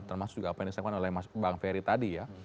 termasuk juga apa yang disampaikan oleh bang ferry tadi ya